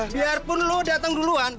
biarpun lo datang duluan